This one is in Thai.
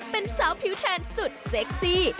เป็นสาวผิวแทนสุดเซ็กซี่